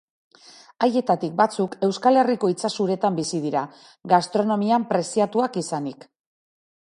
Haietatik batzuk Euskal Herriko itsas-uretan bizi dira, gastronomian preziatuak izanik.